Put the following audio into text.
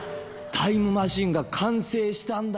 タイムマシンが完成したんだよ」